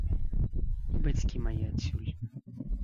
І бацькі мае адсюль.